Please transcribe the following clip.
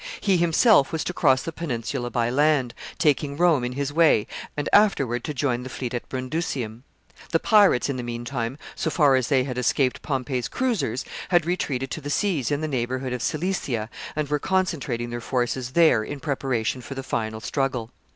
He himself was to cross the peninsula by land, taking Rome in his way, and afterward to join the fleet at Brundusium. The pirates, in the mean time, so far as they had escaped Pompey's cruisers, had retreated to the seas in the neighborhood of Cilicia, and were concentrating their forces there in preparation for the final struggle.